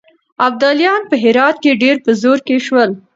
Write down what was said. ابدالیان په هرات کې ډېر په زور کې شول.